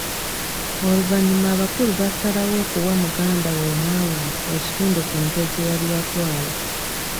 Oluvanyuma abakulu basalawo okuwa muganda we omwavu ekitundu ku ente ze yali yatwala.